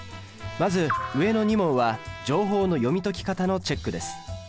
まず上の２問は情報の読み解き方のチェックです。